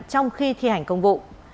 trong khi thi hành công vụ